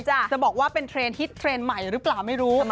จะบอกว่าเป็นเทรนดฮิตเทรนด์ใหม่หรือเปล่าไม่รู้